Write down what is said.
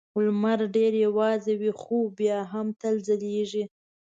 لمر ډېر یوازې وي خو بیا هم تل ځلېږي.